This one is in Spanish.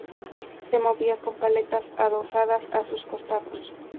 Se movía con paletas adosadas a sus costados.